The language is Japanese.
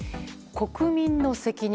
国民の責任。